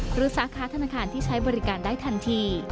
สาขาธนาคารที่ใช้บริการได้ทันที